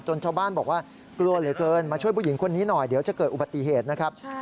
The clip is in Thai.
ชาวบ้านบอกว่ากลัวเหลือเกินมาช่วยผู้หญิงคนนี้หน่อยเดี๋ยวจะเกิดอุบัติเหตุนะครับ